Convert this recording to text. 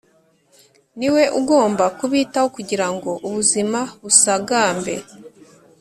Niwe ugomba kubitaho kugira ngo ubuzima busagambe